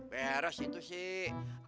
beres itu sih